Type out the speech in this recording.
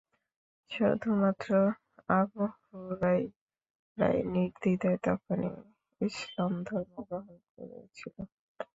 শুধুমাত্র আবু হুরাইরাই নির্দ্বিধায় তখনই ইসলাম ধর্ম গ্রহণ করেছিল।